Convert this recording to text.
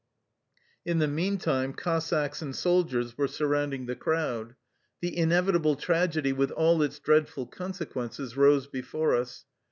In the meantime Cossacks and soldiers were surrounding the crowd. The inevitable tragedy with all its dreadful consequences rose before us.